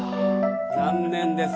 残念です。